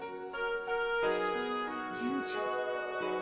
純ちゃん。